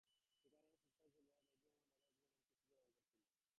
সেখানে অনেক শিক্ষার্থী ছিল, যারা দারিদ্র্যের বাধা অতিক্রম করে কৃতিত্ব অর্জন করেছিল।